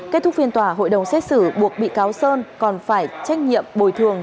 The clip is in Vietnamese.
kết thúc phiên tòa hội đồng xét xử buộc bị cáo sơn còn phải trách nhiệm bồi thường